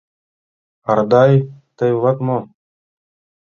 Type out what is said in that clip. — Ардай, тый улат мо?